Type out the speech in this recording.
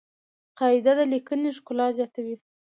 قاعده د لیکني ښکلا زیاتوي.